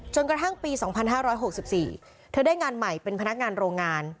กระทั่งปี๒๕๖๔เธอได้งานใหม่เป็นพนักงานโรงงาน